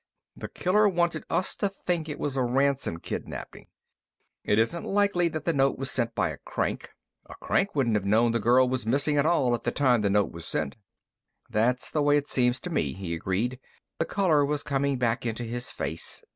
The killer wanted us to think it was a ransom kidnaping. It isn't likely that the note was sent by a crank. A crank wouldn't have known the girl was missing at all at the time the note was sent." "That's the way it seems to me," he agreed. The color was coming back into his face.